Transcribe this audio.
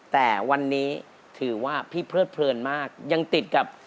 แต่วันนี้ถือว่าพี่เลิดเพลินมากยังติดกับ